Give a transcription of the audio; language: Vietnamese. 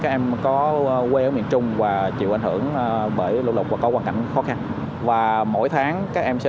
các em có quê ở miền trung và chịu ảnh hưởng bởi lũ lục và có hoàn cảnh khó khăn và mỗi tháng các em sẽ